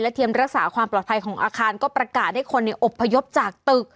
ทีมรักษาความปลอดภัยของอาคารก็ประกาศให้คนอบพยพจากตึก